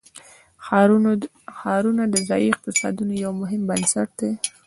ښارونه د ځایي اقتصادونو یو مهم بنسټ دی.